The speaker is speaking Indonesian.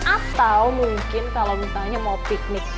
atau mungkin kalau misalnya mau piknik